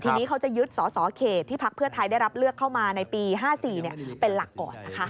ทีนี้เขาจะยึดสอสอเขตที่พักเพื่อไทยได้รับเลือกเข้ามาในปี๕๔เป็นหลักก่อนนะคะ